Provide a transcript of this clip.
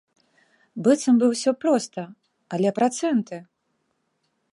Быццам бы ўсё проста, але працэнты!